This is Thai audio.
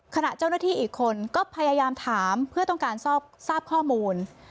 ขณะเจ้าหน้าที่อีกคนก็พยายามถามเพื่อต้องการทราบข้อมูล